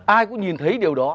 ai cũng nhìn thấy điều đó